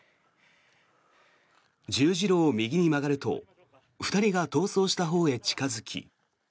十字路を右に曲がると２人が逃走したほうへ近付き。